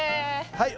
はい。